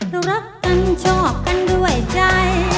รักกันชอบกันด้วยใจ